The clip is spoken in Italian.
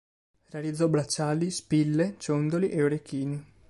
Realizzò bracciali, spille, ciondoli e orecchini.